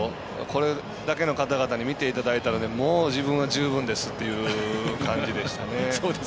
これだけの方々に見ていただいたらもう自分は十分ですっていう感じでしたね。